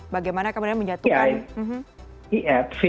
bagaimana kemudian menyatukan